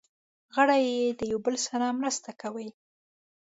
غړي یې د یو بل سره مرسته کوي.